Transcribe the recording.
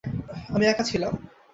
আমি একা ছিলাম।